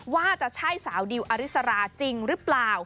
ว่าจะใช่สาวดิวอริสราจริงหรือเปล่า